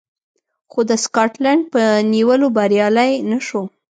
خو د سکاټلنډ په نیولو بریالی نه شو